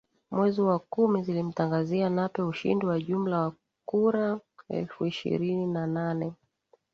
mwezi wa kumi zilimtangazia Nape ushindi wa jumla wa kura elfu ishirini na nane